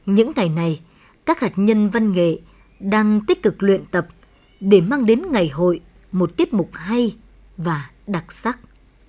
những ngày này các hạt nhân văn nghệ đang tích cực luyện tập để mang đến ngày hội một tiết mục hay và đặc sắc